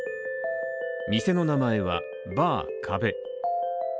店の名前は、バー「壁」。